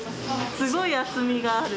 すごい厚みがある。